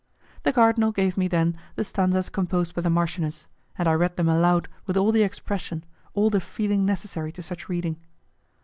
The cardinal gave me, then, the stanzas composed by the marchioness, and I read them aloud with all the expression, all the feeling necessary to such reading.